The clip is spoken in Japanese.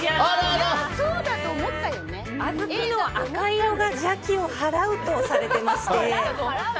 小豆の赤色が邪気を払うとされていまして。